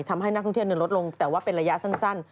ทำให้นักท่องเที่ยวลดลงแต่ว่าเป็นระยะสั้น